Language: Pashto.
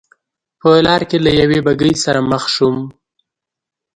په لار کې له یوې بګۍ سره مخ شوم.